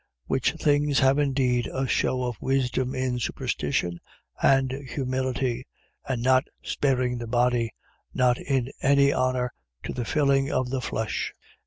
2:23. Which things have indeed a shew of wisdom in superstition and humility, and not sparing the body; not in any honour to the filling of the flesh.